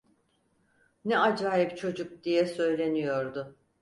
"Ne acayip çocuk!" diye söyleniyordu.